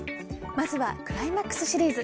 まずはクライマックスシリーズ。